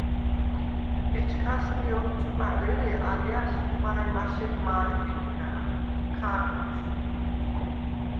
ეჩქას მი ოთჭკუ̂ა̈რ, ერე “ალჲა̈რს ხუ̂ა̈ჲ მაშედ მა̄რე ხეთხა̄̈ნხ, ქა̄ნფუ̂იშდხ”.